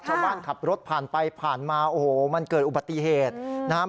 ชาวบ้านขับรถผ่านไปผ่านมาโอ้โหมันเกิดอุบัติเหตุนะฮะ